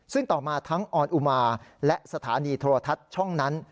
ซึ่งต่อมาทั้งออนอุมาและสถานีโทรทัศน์ช่องนั้น